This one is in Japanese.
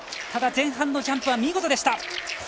ただ、前半のジャンプは見事でした。